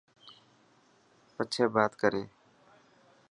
پڇي بات ڪري.